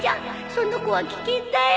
その子は危険だよ。